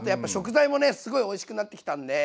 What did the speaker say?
すごいおいしくなってきたんで。